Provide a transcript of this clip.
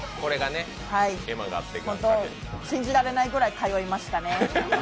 信じられないぐらい通いましたね。